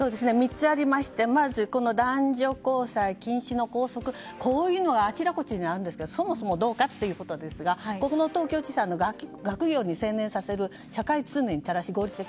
３つありましてまず男女交際禁止の校則こういうのはあちらこちらにあるんですけどそもそもどうかということですがこの東京地裁の学業に専念させる社会通念に照らし合理的。